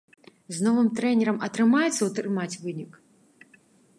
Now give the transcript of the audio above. З новым трэнерам атрымаецца ўтрымаць вынік?